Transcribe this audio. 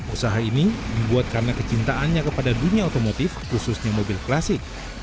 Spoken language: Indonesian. usaha ini dibuat karena kecintaannya kepada dunia otomotif khususnya mobil klasik